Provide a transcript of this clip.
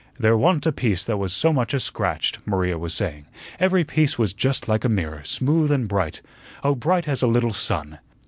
"There wa'n't a piece that was so much as scratched," Maria was saying. "Every piece was just like a mirror, smooth and bright; oh, bright as a little sun.